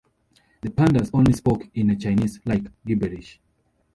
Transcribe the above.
The pandas only spoke in a Chinese-like gibberish.